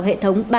hệ thống của li